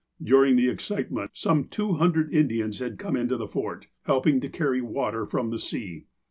During the excitement, some two hundred Indians had come into the Fort, helping to carry water from the sea.